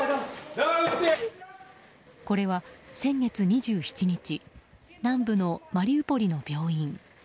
これは先月２７日南部のマリウポリの病院。